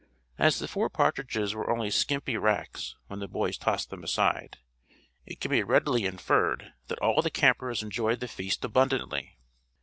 As the four partridges were only skimpy "racks" when the boys tossed them aside, it can be readily inferred that all the campers enjoyed the feast abundantly.